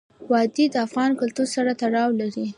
وادي د افغان کلتور سره تړاو لري.